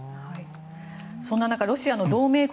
そんな中ロシアの同盟国